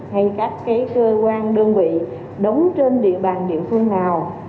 hay các cơ quan đơn vị đóng trên địa bàn địa phương nào